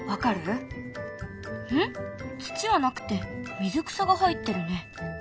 土はなくて水草が入ってるね。